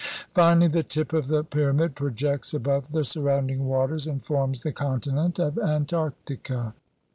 Finally the tip of the pyramid projects above the surrounding waters, and forms the continent of Antarctica.